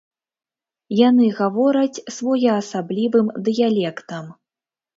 Яны гавораць своеасаблівым дыялектам.